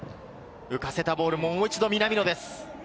浮かせたボール、もう一度南野です。